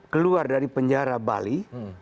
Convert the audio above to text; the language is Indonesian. keluar dari penjara bali